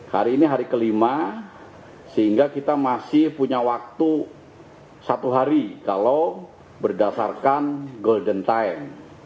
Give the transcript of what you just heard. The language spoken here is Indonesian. hari ini hari kelima sehingga kita masih punya waktu satu hari kalau berdasarkan golden time